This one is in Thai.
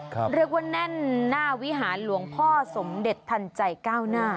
เรียกว่าแน่นหน้าวิหารหลวงพ่อสมเด็จทันใจก้าวหน้า